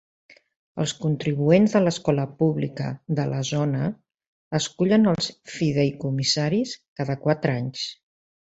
Els contribuents de l'escola pública de la zona escullen els fideïcomissaris cada quatre anys.